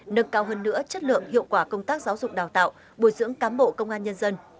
nâng cao hơn nữa chất lượng hiệu quả công tác giáo dục đào tạo bồi dưỡng cán bộ công an nhân dân